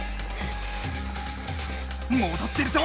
もどってるぞ！